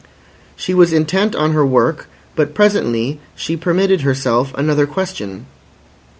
She was intent on her work, but presently she permitted herself another question.